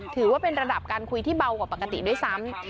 ถือว่าเป็นระดับการคุยที่เบากว่าปกติด้วยซ้ำ